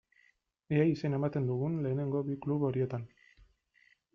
Ea izena ematen dugun lehenengo bi klub horietan.